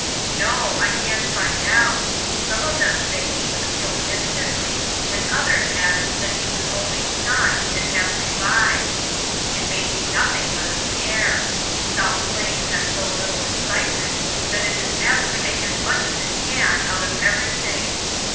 " No, I can't find out. Some of them say he was killed instantly, and others have it that he was only stunned, and has revived. It may be nothing but a scare. South Plains has so little excitement that it is apt to make as much as it can out of every thing.